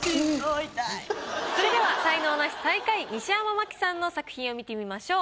それでは才能ナシ最下位西山茉希さんの作品を見てみましょう。